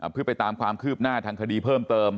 เพื่อไปตามความคืบหน้าทางคดีเพิ่มเติม